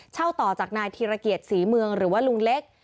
ต่อจากนายธีรเกียรติศรีเมืองหรือว่าลุงเล็ก